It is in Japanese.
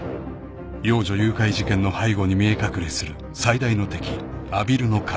［幼女誘拐事件の背後に見え隠れする最大の敵阿比留の影］